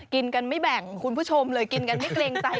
กินกันไม่แบ่งคุณผู้ชมเลยกินกันไม่เกรงใจ